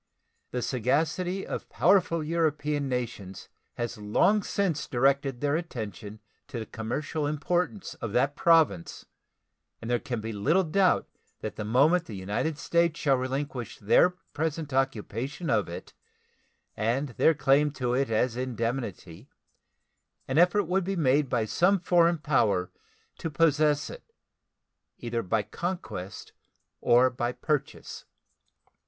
The sagacity of powerful European nations has long since directed their attention to the commercial importance of that Province, and there can be little doubt that the moment the United States shall relinquish their present occupation of it and their claim to it as indemnity an effort would be made by some foreign power to possess it, either by conquest or by purchase.